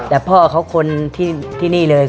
แต่พ่อเขาคนที่นี่เลย